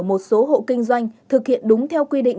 một số hộ kinh doanh thực hiện đúng theo quy định